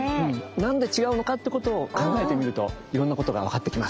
何で違うのかってことを考えてみるといろんなことが分かってきます。